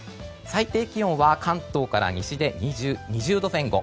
最低気温は関東から西で２０度前後。